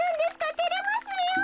てれますよ。